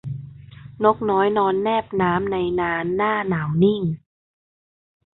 นกน้อยนอนแนบน้ำในนาหน้าหนาวนิ่ง